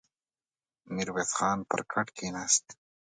ميرويس خان پر کټ کېناست.